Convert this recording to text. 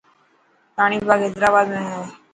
راڻي باگھه حيدرآباد ۾ هي.